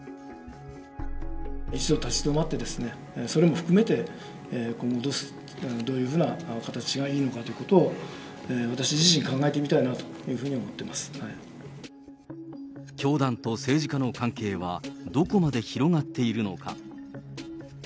一度立ち止まって、それも含めて、今後、どういうふうな形がいいのかということを、私自身、考えてみたい教団と政治家の関係は、どこまで広がっているのか。